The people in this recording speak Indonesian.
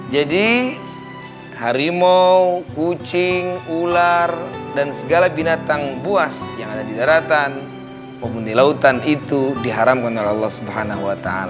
jadi harimau kucing ular dan segala binatang buas yang ada di daratan walaupun di lautan itu diharamkan oleh allah swt